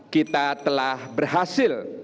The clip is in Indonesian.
kita telah berhasil